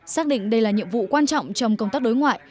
xác định đây là nhiệm vụ quan trọng trong công tác đối ngoại